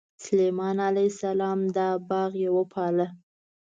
سلیمان علیه السلام دا باغ یې وپاله.